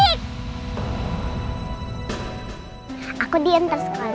seneng gak ovan nganterin rena sekolah